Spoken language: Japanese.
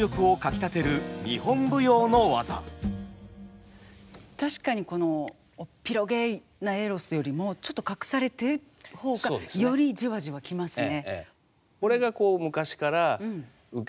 これが確かにおっぴろげなエロスよりもちょっと隠されている方がよりじわじわ来ますね。